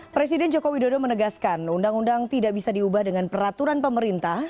presiden joko widodo menegaskan undang undang tidak bisa diubah dengan peraturan pemerintah